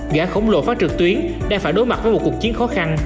gã khổng lồ phát trực tuyến đang phải đối mặt với một cuộc chiến khó khăn